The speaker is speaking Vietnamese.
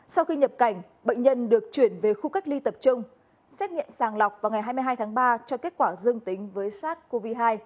sau khi nhập cảnh bệnh nhân được chuyển về khu cách ly tập trung xét nghiệm sàng lọc vào ngày hai mươi hai tháng ba cho kết quả dương tính với sars cov hai